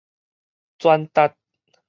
轉達